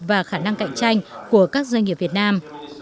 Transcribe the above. và khả năng cạnh tranh của các doanh nghiệp việt nam